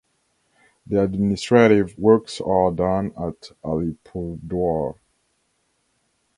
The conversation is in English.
The administrative works are done at Alipurduar.